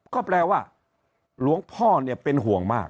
ก็แปลว่าหลวงพ่อเป็นห่วงมาก